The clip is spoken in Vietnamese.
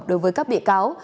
đối với các bị cáo